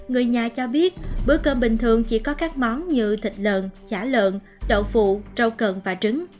người nhà cho biết bữa cơm bình thường chỉ có các món như thịt lợn chả lợn đậu phụ rau cần và trứng